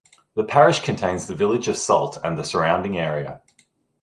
The parish contains the village of Salt and the surrounding area.